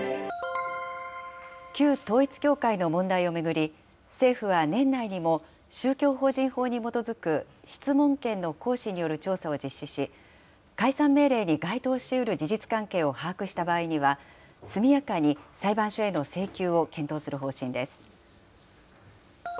旧統一教会の問題を巡り、政府は年内にも宗教法人法に基づく質問権の行使による調査を実施し、解散命令に該当しうる事実関係を把握した場合には、速やかに裁判所への請求を検討する方針です。